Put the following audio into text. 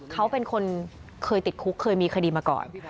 เขาเป็นคนเคยติดคุกเคยมีคดีมาก่อน